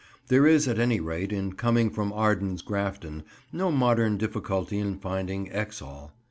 There is, at any rate, in coming from Ardens Grafton, no modern difficulty in finding Exhall.